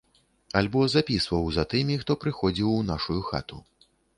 Альбо запісваў за тымі, хто прыходзіў у нашую хату.